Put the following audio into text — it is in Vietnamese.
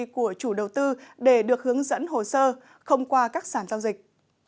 của chủ đầu tư để được hướng dẫn hồ sơ không qua các sản giao dịch